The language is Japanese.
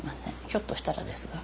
ひょっとしたらですが。